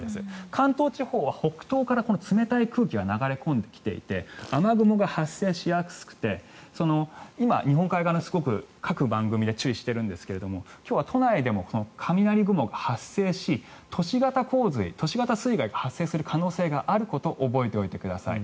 関東地方は北東から冷たい空気が流れ込んできていて雨雲が発生しやすくて今、日本海側の各番組で注意しているんですが今日は都内でも雷雲が発生し都市型洪水、都市型水害が発生する恐れがあることを覚えておいてください。